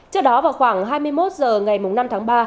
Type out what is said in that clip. trước đó vào khoảng hai mươi một h ngày năm tháng ba